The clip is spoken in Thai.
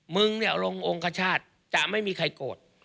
มึงเนี่ยลงองคชาติจะไม่มีใครโกรธ